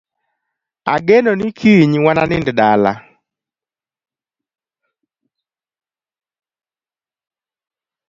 Ageno ni kiny wananind dala